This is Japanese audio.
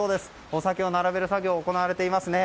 お酒を並べる作業が行われています。